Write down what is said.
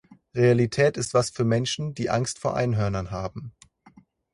Realität ist was für Menschen, die Angst vor Einhörnern haben.